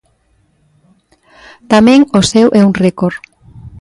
Tamén o seu é un récord.